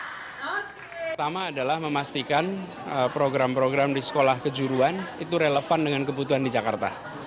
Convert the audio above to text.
pertama adalah memastikan program program di sekolah kejuruan itu relevan dengan kebutuhan di jakarta